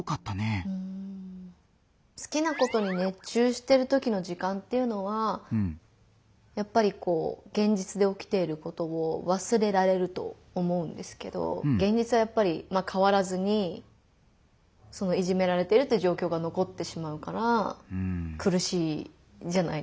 好きなことに熱中してるときの時間っていうのはやっぱりこう現実でおきていることを忘れられると思うんですけど現実はやっぱりまあ変わらずにそのいじめられてるっていう状況がのこってしまうからくるしいじゃないですか。